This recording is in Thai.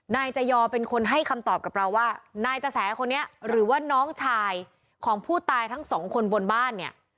นายจยอเป็นคนให้คำตอบกับเราว่านายจะแสคนนี้หรือว่าน้องชายของผู้ตายทั้งสองคนบนบ้านเนี่ย